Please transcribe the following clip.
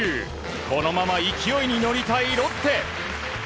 このまま勢いに乗りたいロッテ。